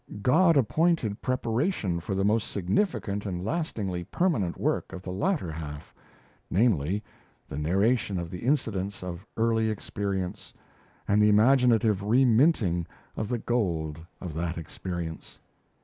God appointed preparation for the most significant and lastingly permanent work of the latter half, namely, the narration of the incidents of early experience, and the imaginative reminting of the gold of that experience.